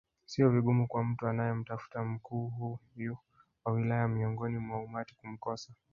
Sio vigumu kwa mtu anayemtafuta mkuu huyu wa wilaya miongoni mwa umati kumkosa